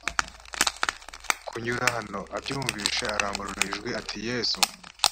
kunyura hano l abyumvise arangurura ijwi ati yesu